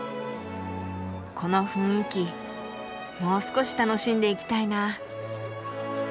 この雰囲気もう少し楽しんでいきたいな。